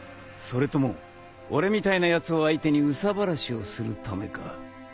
それとも俺みたいなやつを相手に憂さ晴らしをするためか？